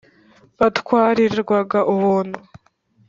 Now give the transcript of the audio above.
Batwarirwaga Ubuntu.